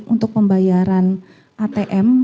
untuk pembayaran atm